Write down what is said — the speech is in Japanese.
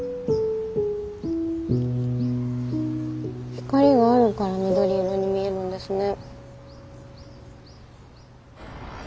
光があるから緑色に見えるんですね。